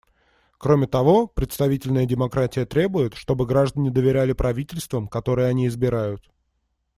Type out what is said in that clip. Кроме того, представительная демократия требует, чтобы граждане доверяли правительствам, которые они избирают.